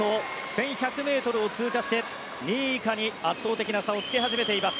１１００ｍを通過して２位以下に圧倒的な差をつけ始めています。